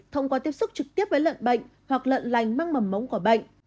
thông qua tiếp xúc trực tiếp với lợn bệnh hoặc lợn lành mang mầm mống của bệnh